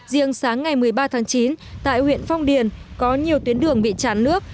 riêng sáng ngày một mươi ba tháng chín tại huyện phong điền có nhiều tuyến đường bị chán nước